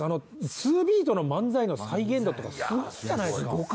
ツービートの漫才の再現だとかすごいじゃないですか。